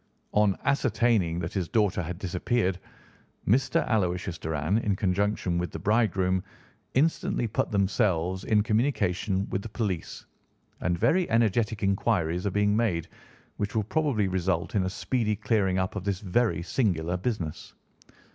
On ascertaining that his daughter had disappeared, Mr. Aloysius Doran, in conjunction with the bridegroom, instantly put themselves in communication with the police, and very energetic inquiries are being made, which will probably result in a speedy clearing up of this very singular business.